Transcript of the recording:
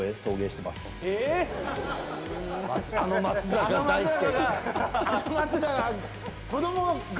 あの松坂大輔が。